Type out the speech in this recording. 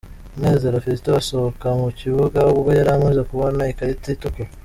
Munezero Fiston asohoka mu kibuga ubwo yari amaze kubona ikarita itukura.